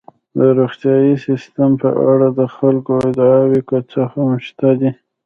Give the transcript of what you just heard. د روغتیايي سیستم په اړه د خلکو ادعاوې که څه هم شته دي.